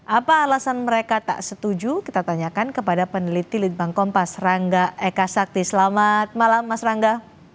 apa alasan mereka tak setuju kita tanyakan kepada peneliti litbang kompas rangga eka sakti selamat malam mas rangga